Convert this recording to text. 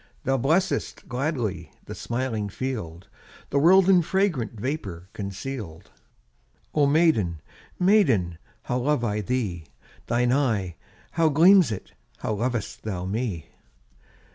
Thou blessest gladly The smiling field, The world in fragrant Vapour conceal'd. Oh maiden, maiden, How love I thee! Thine eye, how gleams it! How lov'st thou me!